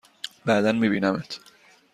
بعدا می بینمت!